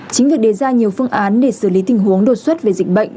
chính việc đề ra nhiều phương án để xử lý tình huống đột xuất về dịch bệnh